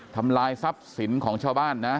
ทำลายทรัพย์สินของชาวบ้านนะ